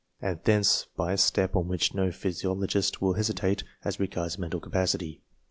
and thence, by a step on which no physiologist will hesitate, as regards mental capacity.